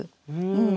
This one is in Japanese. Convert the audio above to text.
うん。